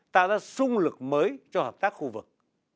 tạo ra sung lực mới cho hợp tác khu vực